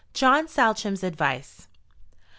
JOHN SALTRAM'S ADVICE. Mr.